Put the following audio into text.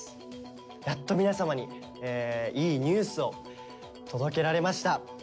やっと皆様にいいニュースを届けられました。